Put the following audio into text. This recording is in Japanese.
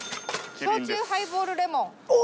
焼酎ハイボールレモン。